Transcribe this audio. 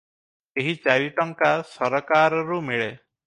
ଏହି ଚାରି ଟଙ୍କା ସରକାରରୁ ମିଳେ ।